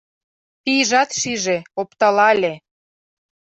Пийжат шиже, опталале